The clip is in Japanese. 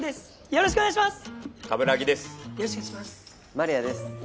よろしくお願いします。